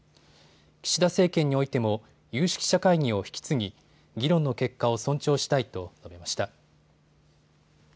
岸田政権においても有識者会議を引き継ぎ議論の結果を尊重したいと述べました。